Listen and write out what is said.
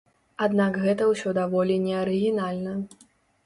Аднак гэта ўсё даволі неарыгінальна.